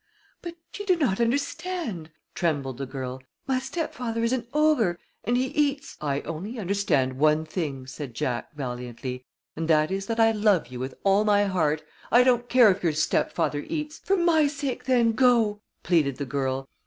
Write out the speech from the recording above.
"But you do not understand," trembled the girl. "My stepfather is an ogre, and he eats " "I only understand one thing," said Jack, valiantly. "And that is that I love you with all my heart. I don't care if your stepfather eats " "For my sake then, go!" pleaded the girl.